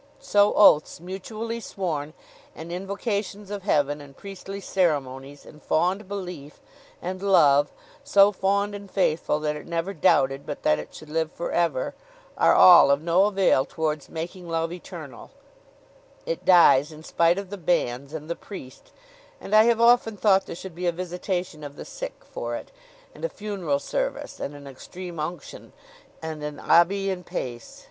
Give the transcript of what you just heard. So oaths mutually sworn, and invocations of heaven, and priestly ceremonies, and fond belief, and love, so fond and faithful that it never doubted but that it should live for ever, are all of no avail towards making love eternal: it dies, in spite of the banns and the priest; and I have often thought there should be a visitation of the sick for it, and a funeral service, and an extreme unction, and an abi in pace.